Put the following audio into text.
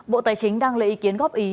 bộ tài chính đang lấy ý kiến góp ý